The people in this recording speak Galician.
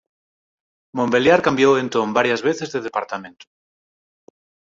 Montbéliard cambiou entón varias veces de departamento.